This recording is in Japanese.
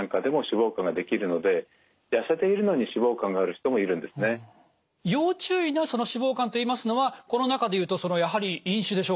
例えば要注意の脂肪肝といいますのはこの中で言うとやはり飲酒でしょうか。